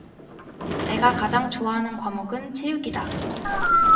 내가 가장 좋아하는 과목은 체육이다.